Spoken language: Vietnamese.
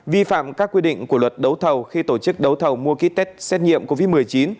vi phạm các quy định của luật đấu thầu khi tổ chức đấu thầu mua ký test xét nghiệm covid một mươi chín